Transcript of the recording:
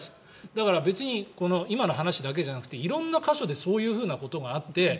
だから別に今の話だけじゃなくて色んな箇所でそういうことがあって。